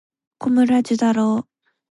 小村寿太郎